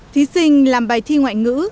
thí sinh làm bài thi ngoại ngữ